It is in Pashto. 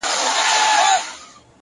ریښتینی قوت د ځان کنټرول کې دی،